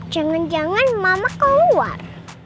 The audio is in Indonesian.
jangan jangan mama keluar